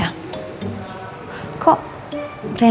kenapa aku lagi penasaran